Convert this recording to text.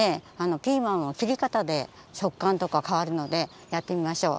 ピーマンの切り方でしょっかんとかかわるのでやってみましょう。